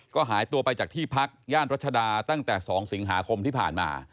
ก็หายตัวไปจากที่พักย่านรัชดาตั้งแต่๒สิงหาคมที่ผ่านมา